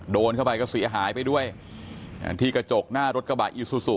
โดนเข้าไปก็เสียหายไปด้วยอ่าที่กระจกหน้ารถกระบะอีซูซู